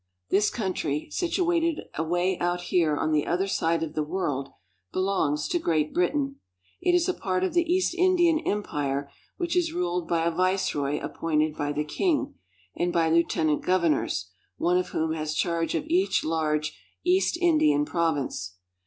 This country, situated away out here on the other side of the world, belongs to Great Britain. It is a part of the East Indian Empire which is ruled by a viceroy appointed by the king and by lieutenant governors, one of whom has charge of each large East Indian province.